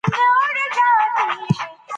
تحقیقي ادب د واقعیتونو علمي بیان دئ.